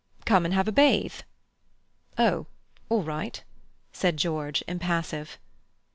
Come and have a bathe." "Oh, all right," said George, impassive.